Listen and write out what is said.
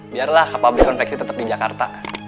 biarlah kapal berkonveksi tetap di jakarta